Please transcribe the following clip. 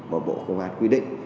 bởi bộ công an quy định